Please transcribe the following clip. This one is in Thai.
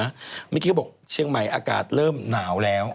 เมื่อกี้เขาบอกเชียงใหม่อากาศเริ่มหนาวแล้ว